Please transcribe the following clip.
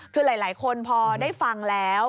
คือหลายคนพอได้ฟังแล้ว